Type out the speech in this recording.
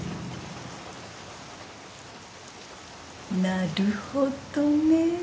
なるほどね。